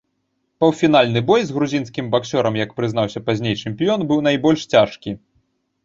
Паўфінальны бой з грузінскім баксёрам, як прызнаўся пазней чэмпіён, быў найбольш цяжкі.